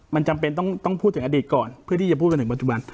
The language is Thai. มันจำเป็นต้องพูดถึงอดีตก่อนเพื่อที่จะพูดมาถึงปัจจุบัน